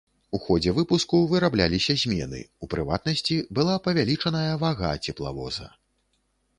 У ходзе выпуску вырабляліся змены, у прыватнасці, была павялічаная вага цеплавоза.